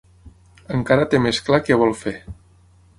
Encara té més clar què vol fer.